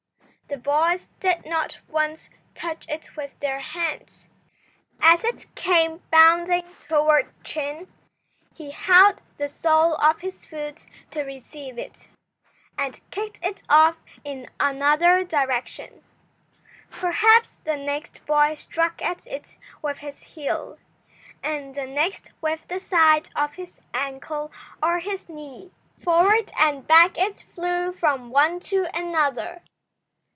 The boys did not once touch it with their hands. As it came bounding toward Chin, he held the sole of his foot to receive it, and kicked it off in another direction. Perhaps the next boy struck at it with his heel, and the next with the side of his ankle or his knee. Forward and back it flew from one to another.